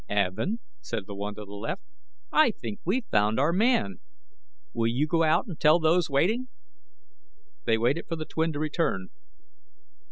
"Evin," said the one to the left, "I think we've found our man. Will you go out and tell those waiting?" They waited for the twin to return.